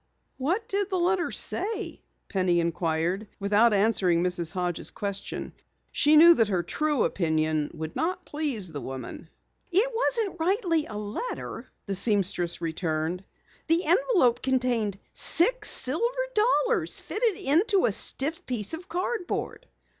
"What did the letter say?" Penny inquired, without answering Mrs. Hodges' question. She knew that her true opinion would not please the woman. "It wasn't rightly a letter," the seamstress returned. "The envelope contained six silver dollars fitted into a stiff piece of cardboard."